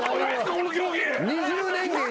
この競技。